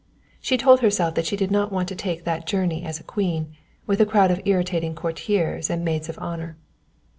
She told herself that she did not want to take that journey as a queen, with a crowd of irritating courtiers and maids of honour.